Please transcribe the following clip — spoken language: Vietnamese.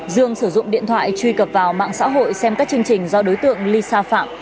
dương sử dụng điện thoại truy cập vào mạng xã hội xem các chương trình do đối tượng lisa phạm